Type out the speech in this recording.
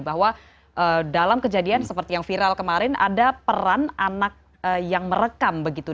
bahwa dalam kejadian seperti yang viral kemarin ada peran anak yang merekam begitu